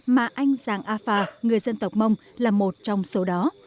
mà anh giàng a phà người dân tộc mông là một trong số đó